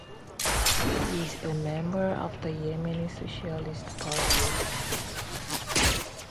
He is a member of the Yemeni Socialist Party.